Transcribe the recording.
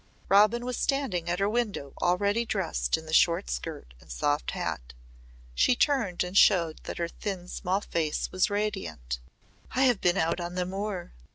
Robin was standing at her window already dressed in the short skirt and soft hat. She turned and showed that her thin small face was radiant. "I have been out on the moor.